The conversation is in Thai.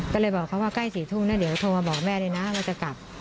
ก็เลยบอกเขาว่าใกล้๔ทุ่มนะเดี๋ยวโทรมาบอกแม่เลยนะว่าจะกลับ